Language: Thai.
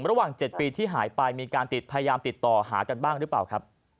ระหว่าง๗ปีที่หายไปมีการติดพยายามติดต่อหากันบ้างหรือเปล่าครับ